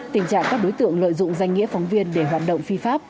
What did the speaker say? tình trạng các đối tượng lợi dụng danh nghĩa phóng viên để hoạt động phi pháp